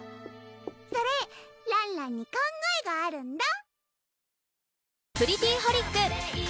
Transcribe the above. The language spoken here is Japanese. それらんらんに考えがあるんだ！